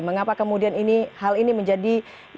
mengapa kemudian hal ini menjadi yang digarisbawahi